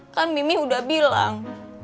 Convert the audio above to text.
kan mimi udah bilang